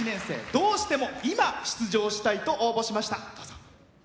どうしても今、出場したいと応募しました。